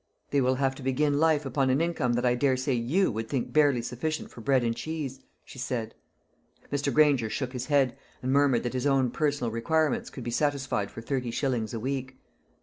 "They will have to begin life upon an income that I daresay you would think barely sufficient for bread and cheese," she said. Mr. Granger shook his head, and murmured that his own personal requirements could be satisfied for thirty shillings a week.